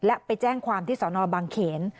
และไปแจ้งความที่สนบางเขน